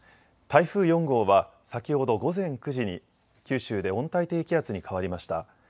台風４号は先ほど午前９時に九州で温帯低気圧に変わりました。